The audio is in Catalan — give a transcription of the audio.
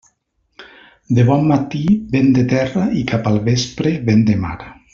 De bon matí vent de terra i cap al vespre vent de mar.